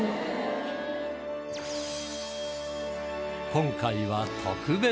今回は特別に